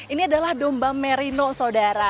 ini adalah domba merino saudara